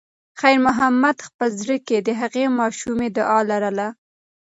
خیر محمد په خپل زړه کې د هغې ماشومې دعا لرله.